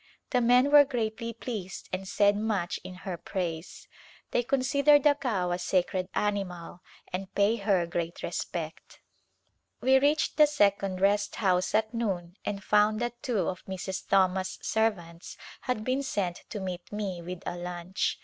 The men were greatly pleased and said much in her praise. They consider the cow a sacred animal and pay her great respect. We reached the second rest house at noon and found that two of Mrs. Thomas' servants had been sent to meet me with a lunch.